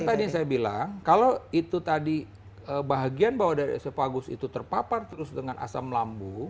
misalnya tadi saya bilang kalau itu tadi bahagian bawah darah esophagus itu terpapar terus dengan asam lambung